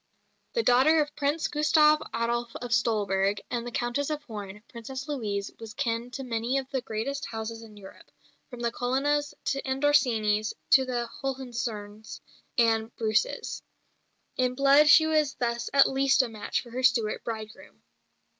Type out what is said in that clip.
The daughter of Prince Gustav Adolf of Stolberg and the Countess of Horn, Princess Louise was kin to many of the greatest houses in Europe, from the Colonnas and Orsinis to the Hohenzollerns and Bruces. In blood she was thus at least a match for her Stuart bridegroom.